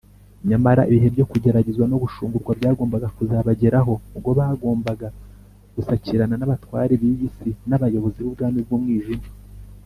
nyamara ibihe byo kugeragezwa no gushungurwa byagombaga kuzabageraho ubwo bagombaga gusakirana n’abatware b’iyi si n’abayobozi b’ubwami bw’umwijima